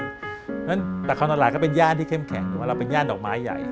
เพราะฉะนั้นแต่ความตลาดก็เป็นย่านที่เข้มแข็งว่าเราเป็นย่านดอกไม้ใหญ่